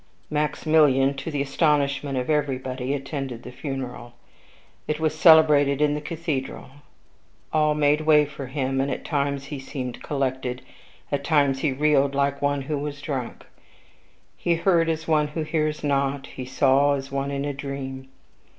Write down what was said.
Maximilian, to the astonishment of everybody, attended the funeral. It was celebrated in the cathedral. All made way for him, and at times he seemed collected; at times he reeled like one who was drunk. He heard as one who hears not; he saw as one in a dream.